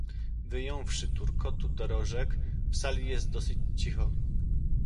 "Wyjąwszy turkotu dorożek, w sali jest dosyć cicho."